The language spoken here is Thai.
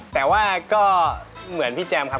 แต่ว่าก็เหมือนพี่แจมครับ